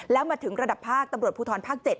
แล้วมาถึงระดับภาคตำรวจภูทรภาค๗